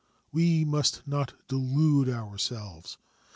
We must not delude ourselves.